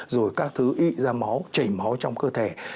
rồi các thứ ít ra máu chảy máu trong cơ thể